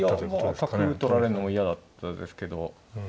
角取られんのも嫌だったですけど。